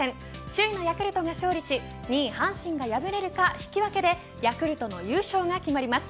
首位のヤクルトが勝利し２位阪神が敗れるか引き分けでヤクルトの優勝が決まります。